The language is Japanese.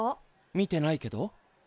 見てないけど。